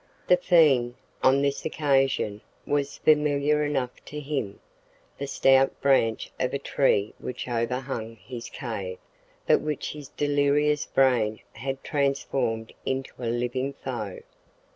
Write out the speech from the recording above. The fiend, on this occasion, was familiar enough to him the stout branch of a tree which overhung his cave, but which his delirious brain had transformed into a living foe.